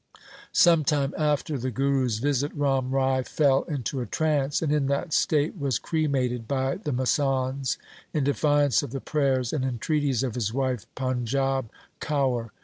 Some time after the Guru's visit Ram Rai fell into a trance, and in that state was cremated by the masands in defiance of the prayers and en treaties of his wife Panjab Kaur.